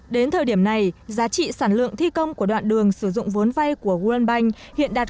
đến thời điểm này giá trị sản lượng thi công của đoạn đường sử dụng vốn vay của world bank hiện đạt